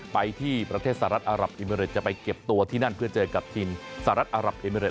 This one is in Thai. ไปที่ประเทศสหรัฐอารับอิเมริตจะไปเก็บตัวที่นั่นเพื่อเจอกับทีมสหรัฐอารับเอเมริด